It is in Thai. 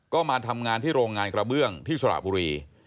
ก็มาทำงานที่โรงงานกระเบื้องที่สระบุรี